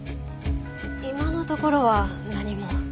今のところは何も。